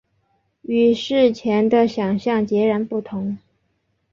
与事前的想像截然不同